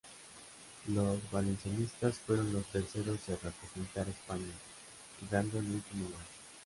Los valencianistas fueron los terceros en representar a España, quedando en último lugar.